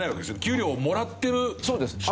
給料をもらってる人。